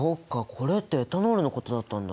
これってエタノールのことだったんだ。